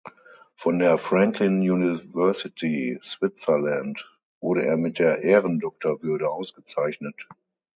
Von der Franklin University Switzerland wurde er mit der Ehrendoktorwürde ausgezeichnet.